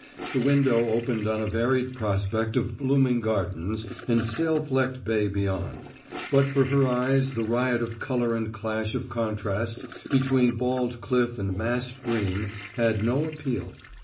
The window opened on a varied prospect of blooming gardens and sail flecked bay beyond. But for her eyes the riot of color and clash of contrast between bald cliff and massed green had no appeal.